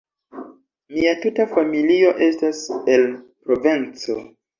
Mia tuta familio estas el Provenco.